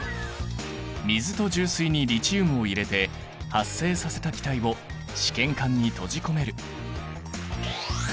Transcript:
水と重水にリチウムを入れて発生させた気体を試験管に閉じ込める。